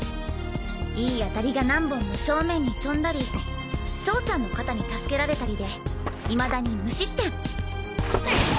いい当たりが何本も正面に飛んだり走ちゃんの肩に助けられたりで未だに無失点。